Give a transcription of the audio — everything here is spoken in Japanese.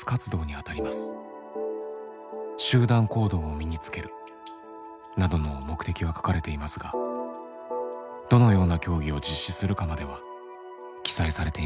集団行動を身につけるなどの目的は書かれていますがどのような競技を実施するかまでは記載されていません。